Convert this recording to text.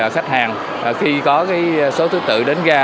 khách hàng khi có số thứ tự đến ga